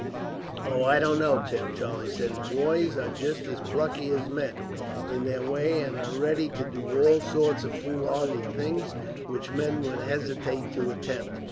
"Oh, I don't know, Tim," Charlie said. "Boys are just as plucky as men, in their way, and are ready to do all sorts of foolhardy things, which men would hesitate to attempt."